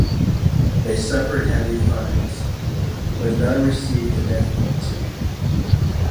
They suffered heavy fines, but none received the death penalty.